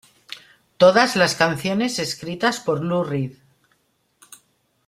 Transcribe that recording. Todas las canciones escritas por Lou Reed.